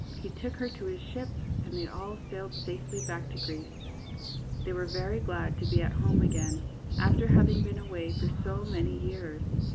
He took her to his ship and they all sailed safely back to Greece. They were very glad to be at home again, after having been away for so many years.